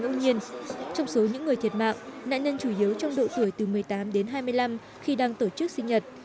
trong số những người thiệt mạng nạn nhân chủ yếu trong độ tuổi từ một mươi tám đến hai mươi năm khi đang tổ chức sinh nhật